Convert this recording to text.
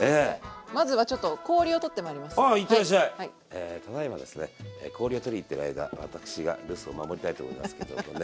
えただいまですね氷を取りに行ってる間私が留守を守りたいと思いますけどもね。